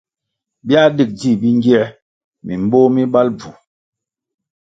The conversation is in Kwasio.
Biā dig dzih bingiē mimboh mi bal bvu.